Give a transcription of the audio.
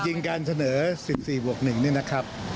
จริงการเสนอ๑๔บวก๑เนี่ยนะครับ